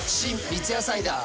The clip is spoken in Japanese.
三ツ矢サイダー』